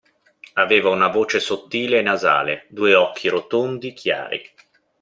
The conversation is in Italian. Aveva una voce sottile e nasale, due occhi rotondi, chiari.